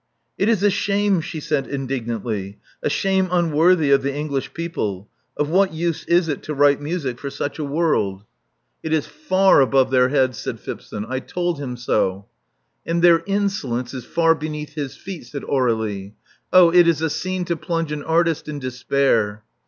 "It is a shame," she said indignantly, "a shame unworthy of the English people. Of what use is it to write music for such a world?" Love Among the Artists 321 It is far above their heads," said Phipson. I told him so.'* And their insolence is far beneath his feet," said Aur^lie. 0h, it is a scene to plunge an artist in despair."